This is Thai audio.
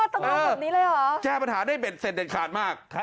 ต้องเอาแบบนี้เลยเหรอแก้ปัญหาได้เด็ดเสร็จเด็ดขาดมาก